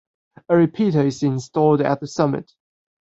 A repeater is installed at the summit.